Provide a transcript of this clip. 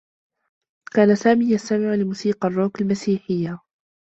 كان سامي يستمع لموسيقى الرّوك المسيحيّة.